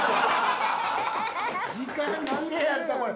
時間切れやったこれ。